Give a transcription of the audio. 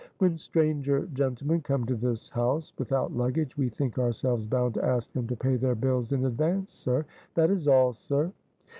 "When stranger gentlemen come to this house without luggage, we think ourselves bound to ask them to pay their bills in advance, sir; that is all, sir."